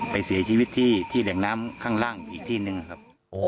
ไปเสียชีวิตที่แหล่งน้ำข้างล่างอีกที่หนึ่งนะครับ